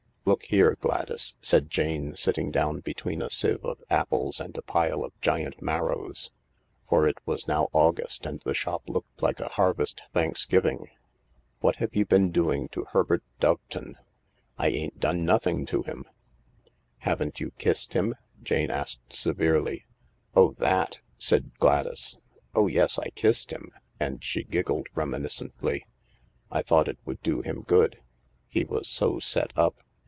" Look here, Gladys," said Jane, sitting down between a sieve of apples and a pile of giant marrows, for it was now August, and the shop looked like a Harvest Thanksgiving, "what have you been doing to Herbert Doveton ?"" I ain't done nothing to him." E 258 THE LARK " Haven't you kissed him ?" Jane asked severely. " Oh, that!" said Gladys. " Oh yes, I kissed him," and she giggled reminiscently. "I thought it would do him good. He was so set up.